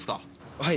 はい。